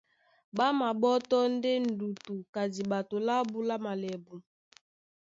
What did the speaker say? Ɓá maɓótɔ́ ndé ndútú ka diɓato lábū lá malɛbu.